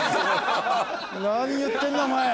何言ってんだお前！